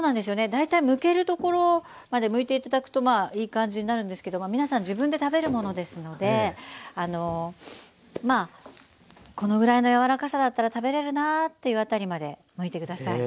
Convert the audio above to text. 大体むけるところまでむいて頂くとまあいい感じになるんですけど皆さん自分で食べるものですのでまあこのぐらいの柔らかさだったら食べれるなっていう辺りまでむいてください。